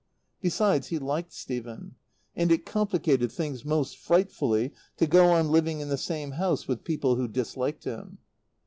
Besides, he liked Stephen, and it complicated things most frightfully to go on living in the same house with people who disliked him.